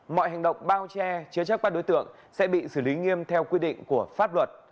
mọi hành động bao che chứa chắc qua đối tượng sẽ bị xử lý nghiêm theo quy định của pháp luật